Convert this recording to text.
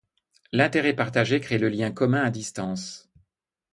L'intérêt partagé crée le lien commun à distance.